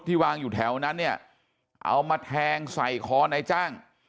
วางอยู่แถวนั้นเนี่ยเอามาแทงใส่คอนายจ้าง